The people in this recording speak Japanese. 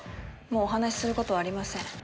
もうお話しする事はありません。